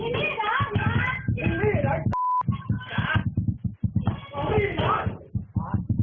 นั่นแหละครับ